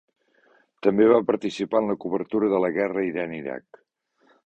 També va participar en la cobertura de la guerra Iran-Iraq.